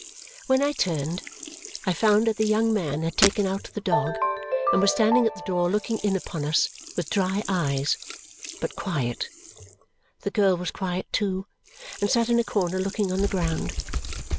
When I turned, I found that the young man had taken out the dog and was standing at the door looking in upon us with dry eyes, but quiet. The girl was quiet too and sat in a corner looking on the ground.